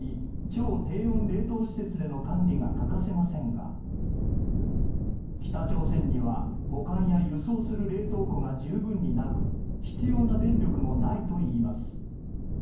超低温冷凍施設での管理が欠かせませんが北朝鮮には保管や輸送する冷凍庫が十分になく必要な電力もないといいます。